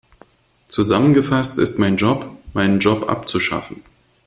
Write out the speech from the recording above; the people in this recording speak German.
Zusammengefasst ist mein Job, meinen Job abzuschaffen.